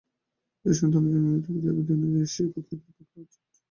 যে-সন্তানের জন্মমৃত্যু বেদের বিধানানুযায়ী, সে-ই প্রকৃতপক্ষে আর্য।